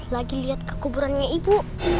lagi lihat kekuburannya ibu